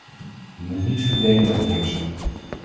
U moet niet verdelen en heersen.